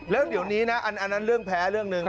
แล้วเดี๋ยวนี้นะอันนั้นเรื่องแพ้เรื่องหนึ่ง